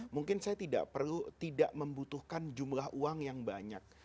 mungkin saya tidak perlu tidak membutuhkan jumlah uang yang banyak